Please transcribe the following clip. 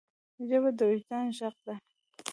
ژبه د وجدان ږغ ده.